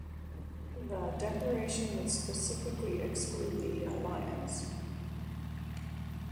The declaration would specifically exclude that alliance.